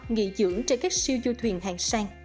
nghỉ dưỡng trên các siêu du thuyền hàng sang